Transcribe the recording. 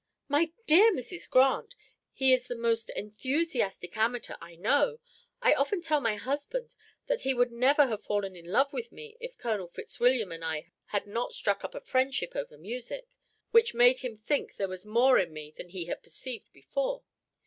"My dear Mrs. Grant! He is the most enthusiastic amateur I know. I often tell my husband that he would never have fallen in love with me if Colonel Fitzwilliam and I had not struck up a friendship over music, which made him think there was more in me than he had perceived before.